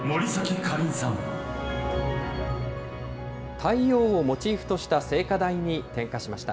太陽をモチーフとした聖火台に点火しました。